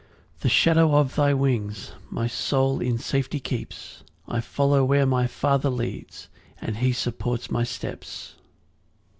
8 The shadow of thy wings My soul in safety keeps; I follow where my Father leads, And he supports my steps.